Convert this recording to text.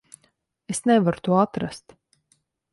Es nevaru to atrast.